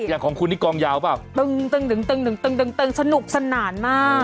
อย่างของคุณนี่กลองยาวป่ะตึงตึงตึงตึงตึงตึงตึงตึงสนุกสนานมาก